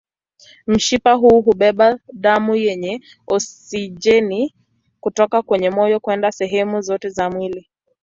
Mshipa huu hubeba damu yenye oksijeni kutoka kwenye moyo kwenda sehemu zote za mwili.